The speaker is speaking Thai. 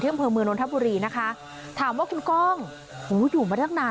ที่กระเภอเมืองนทบุรีนะคะถามว่าคุณก้องโอ้โหอยู่มาทั้งนาน